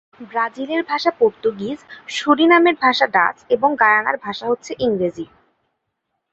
ব্রাজিলের ভাষা পর্তুগিজ, সুরিনামের ভাষা ডাচ এবং গায়ানার ভাষা হচ্ছে ইংরেজি।